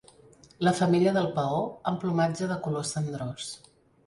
La femella del paó, amb plomatge de color cendrós.